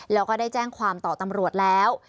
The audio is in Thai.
แล้วก็ได้แจ้งความต่อตำรวจแล้ว